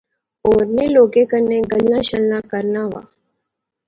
ہورنیں لوکیں کنے گلاں شلاں کرنا وہا